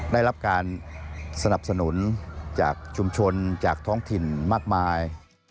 ได้รับการสนับสนุนจากชุมชนจากท้องถิ่นมากมาย